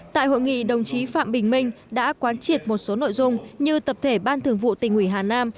tại hội nghị đồng chí phạm bình minh đã quán triệt một số nội dung như tập thể ban thường vụ tỉnh ủy hà nam